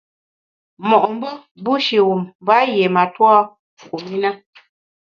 Mo’mbe bushi wum mba yié matua kum i na.